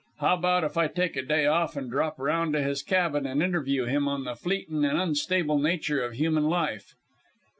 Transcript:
How about if I take a day off and drop round to his cabin and interview him on the fleetin' and unstable nature of human life?'